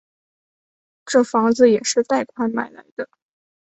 这房子也是贷款买来的